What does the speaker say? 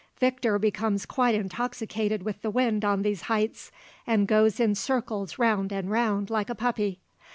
Victor becomes quite intoxicated with the wind on these heights and goes in circles round and round, like a puppy.